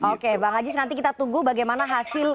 oke bang aziz nanti kita tunggu bagaimana hasil